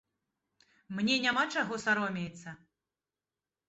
Мне няма чаго саромеецца.